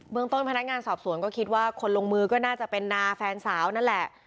เมืองต้นพนักงานสอบสวนก็คิดว่าคนลงมือก็น่าจะเป็นนาแฟนสาวนั่นแหละ